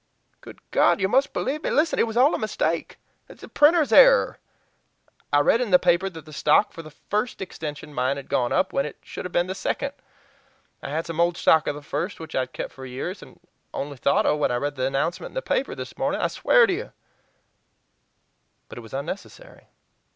"Good God! You must believe me. Listen! it was all a mistake a printer's error. I read in the paper that the stock for the First Extension mine had gone up, when it should have been the Second. I had some old stock of the First, which I had kept for years, and only thought of when I read the announcement in the paper this morning. I swear to you " But it was unnecessary.